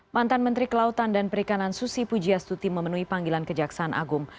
mantan menteri kelautan dan perikanan susi pujiastuti memenuhi panggilan kejaksaan agung